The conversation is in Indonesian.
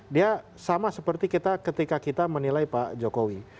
dia sama seperti ketika kita menilai pak jokowi